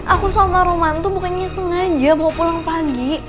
aku sama roman tuh bukannya sengaja mau pulang pagi